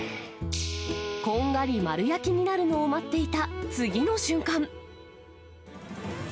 こんがり丸焼きになるのを待っていた、次の瞬間。